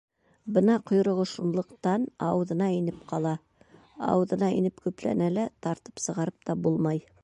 Бына ҡойроғо шунлыҡтан ауыҙына инеп ҡала — ауыҙына инеп кәпләнә лә, тартып сығарып та булмай.